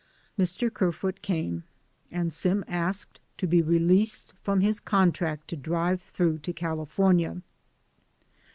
Mr. Kerfoot came, and Sim asked to be released from his contract to drive through to CaHfornia.